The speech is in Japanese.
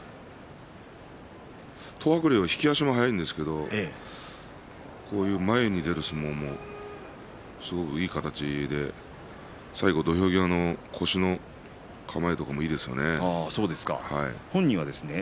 東白龍は引き足も早いんですけど前に出る相撲もいい形で最後土俵際の腰の構えとかもいいですね。